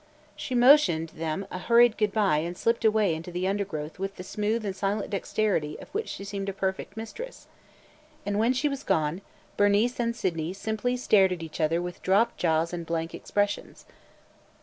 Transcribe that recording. She motioned them a hurried good by and slipped away into the undergrowth with the smooth and silent dexterity of which she seemed a perfect mistress. And when she was gone Bernice and Sydney simply stared at each other with dropped jaws and blank expressions.